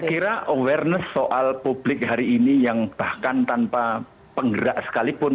saya kira awareness soal publik hari ini yang bahkan tanpa penggerak sekalipun